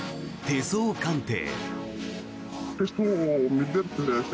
手相鑑定。